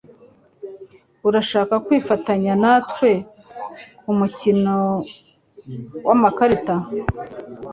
Urashaka kwifatanya natwe kumukino wamakarita?